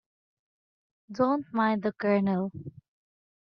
Don't mind the Colonel.